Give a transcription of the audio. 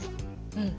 うん。